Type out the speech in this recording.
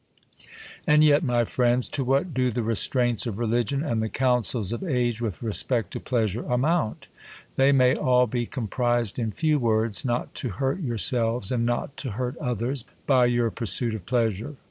And yet, my friends, to what do the restraints of religion, and the counsels of age, with respect to pleasure, amount ? They may all be comprised in few words, not to hurt yourselves, and not to hurt others, by your pursuit of pleasure.